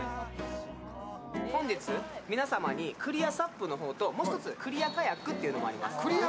本日皆様にクリアＳＵＰともう一つ、クリアカヤックというものがあります。